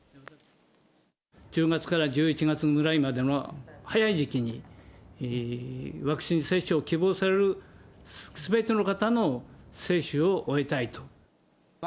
１０月から１１月ぐらいまでの早い時期に、ワクチン接種を希望されるすべての方の接種を終えたいと。